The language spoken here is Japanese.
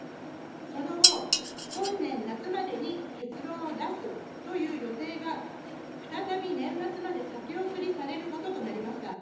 その後、本年夏までに結論を出すという予定が、再び年末まで先送りされることとなりました。